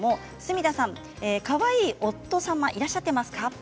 角田さん、かわいい夫さんはいらっしゃっていますか。